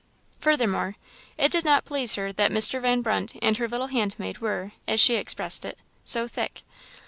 Furthermore, it did not please her that Mr. Van Brunt and her little handmaid were, as she expressed it, "so thick."